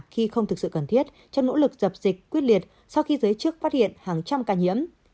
khi không thực sự cần thiết trong nỗ lực dập dịch quyết liệt sau khi giới chức phát hiện hàng trăm ca nhiễm